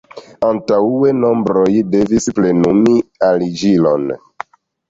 Antaŭe membroj devis plenumi aliĝilon.